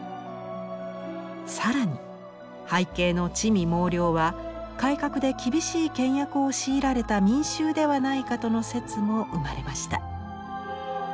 更に背景の魑魅魍魎は改革で厳しい倹約を強いられた民衆ではないかとの説も生まれました。